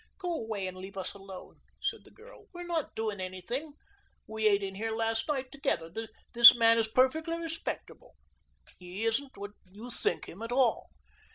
"Go away and leave us alone," said the girl. "We're not doing anything. We ate in here last night together. This man is perfectly respectable. He isn't what you think him, at all."